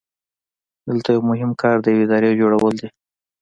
دلته یو مهم کار د یوې ادارې جوړول دي.